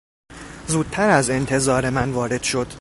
زودتر از انتظار من وارد شد.